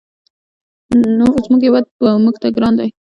زموږ هېواد موږ ته ګران دی.